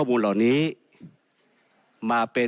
ในฐานะรัฐสภาวนี้ตั้งแต่ปี๒๖๒